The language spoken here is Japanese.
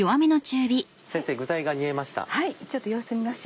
先生具材が煮えました。